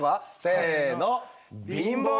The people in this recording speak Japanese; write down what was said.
せの。